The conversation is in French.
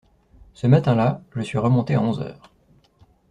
Ce matin-là, je suis remonté à onze heures.